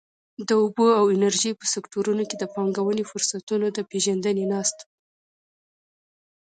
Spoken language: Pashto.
د اوبو او انرژۍ په سکټورونو کې د پانګونې فرصتونو د پېژندنې ناسته.